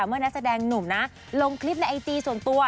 เมื่อนักแสดงหนุ่มนะลงคลิปในไอจีส่วนตัว